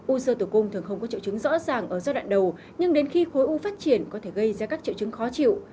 u sơ tử cung thường không có triệu chứng rõ ràng ở giai đoạn đầu nhưng đến khi khối u phát triển có thể gây ra các triệu chứng khó chịu